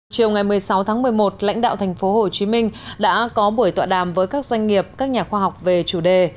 chiều ngày một mươi sáu tháng một mươi một lãnh đạo tp hcm đã có buổi tọa đàm với các doanh nghiệp các nhà khoa học về chủ đề